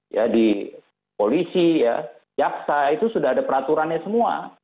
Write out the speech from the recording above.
ya di polisi ya jaksa itu sudah ada peraturannya semua